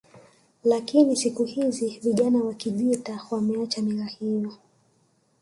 Lakini siku hizi vijana wa Kijita wameacha mila hiyo